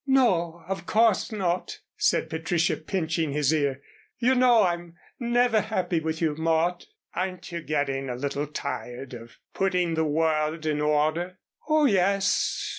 "No, of course not," said Patricia, pinching his ear, "you know I'm never happy with you, Mort." "Aren't you getting a little tired of putting the world in order?" "Oh, yes.